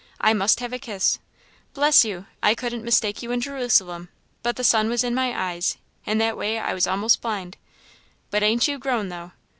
I must have a kiss. Bless you! I couldn't mistake you in Jerusalem; but the sun was in my eyes, in that way I was a'most blind. But ain't you grown, though!